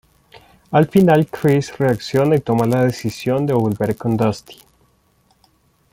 Al final Chris reacciona y toma la decisión de volver con Dusty.